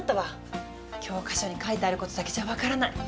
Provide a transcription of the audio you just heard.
教科書に書いてあることだけじゃ分からない。